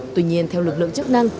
tuy nhiên theo lực lượng chức năng